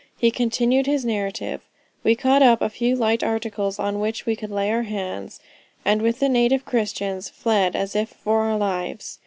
He continues his narrative, "We caught up a few light articles on which we could lay our hands, and with the native Christians, fled as if for our lives.